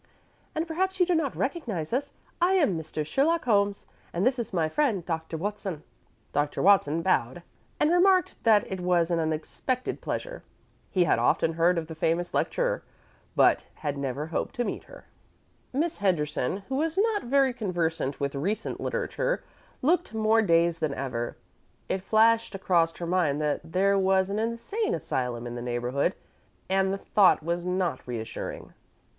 "And perhaps you do not recognize us. I am Mr. Sherlock Holmes, and this is my friend Dr. Watson." Dr. Watson bowed, and remarked that it was an unexpected pleasure. He had often heard of the famous lecturer, but had never hoped to meet her. Miss Henderson, who was not very conversant with recent literature, looked more dazed than ever. It flashed across her mind that there was an insane asylum in the neighborhood, and the thought was not reassuring.